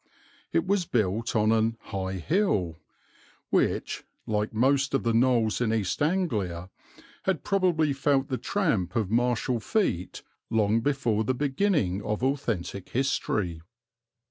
It was built on "an high hill," which, like most of the knolls in East Anglia, had probably felt the tramp of martial feet long before the beginning of authentic history.